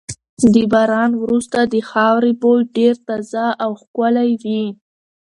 د باران وروسته د خاورې بوی ډېر تازه او ښکلی وي.